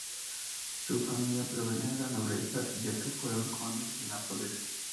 Su familia provenía de la nobleza, ya que fueron condes de Nápoles.